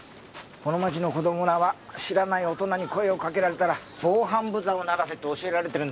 この町の子供らは知らない大人に声を掛けられたら防犯ブザーを鳴らせと教えられてるんですよ。